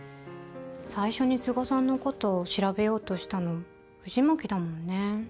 最初に都賀さんのこと調べようとしたの藤巻だもんね。